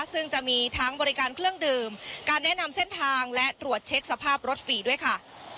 ซึ่งจะมีทั้งบริการเครื่องดื่มการแนะนำเส้นทางและตรวจเช็คสภาพรถฟรีด้วยค่ะ